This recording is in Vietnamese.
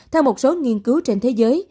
theo một số nghiên cứu trên thế giới